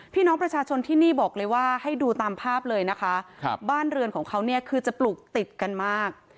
พี่น้องประชาชนที่นี่บอกเลยว่าให้ดูตามภาพเลยนะคะครับบ้านเรือนของเขาเนี่ยคือจะปลูกติดกันมาก